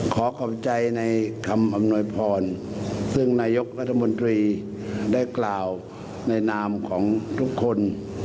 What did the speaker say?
ขอขอบใจในคำอำนวยพรซึ่งนายกรัฐมนตรีได้กล่าวในนามของทุกคน